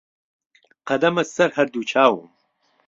قەدەمت سەر هەر دوو چاوم